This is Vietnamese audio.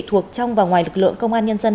thuộc trong và ngoài lực lượng công an nhân dân